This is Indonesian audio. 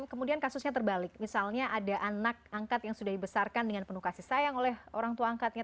kemudian kasusnya terbalik misalnya ada anak angkat yang sudah dibesarkan dengan penuh kasih sayang oleh orang tua angkatnya